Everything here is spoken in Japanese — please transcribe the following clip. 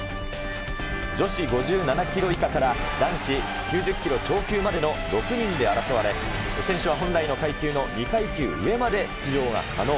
女子５７キロ以下から男子９０キロ超級までの６人で争われ、選手は本来の階級の２階級上まで出場が可能。